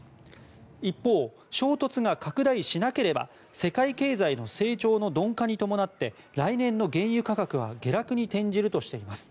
一方、衝突が拡大しなければ世界経済の成長の鈍化に伴って来年の原油価格は下落に転じるとしています。